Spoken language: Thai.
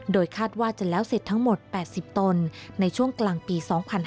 โดยคาดว่าจะแล้วเสร็จทั้งหมด๘๐ตนในช่วงกลางปี๒๕๕๙